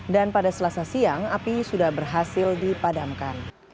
dan pada selasa siang api sudah berhasil dipadamkan